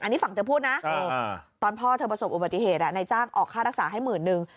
อันนี้ฝั่งเธอพูดนะตอนพ่อเธอประสบอุบัติเหตุนายจ้างออกค่ารักษาให้หมื่นนึง